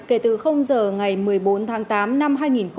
kể từ giờ ngày một mươi bốn tháng tám năm hai nghìn hai mươi